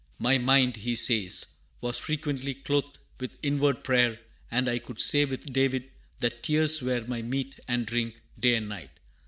"My mind," he says, "was frequently clothed with inward prayer; and I could say with David that 'tears were my meat and drink, day and night.'